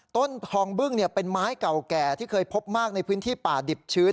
ต้นทองบึ้งเป็นไม้เก่าแก่ที่เคยพบมากในพื้นที่ป่าดิบชื้น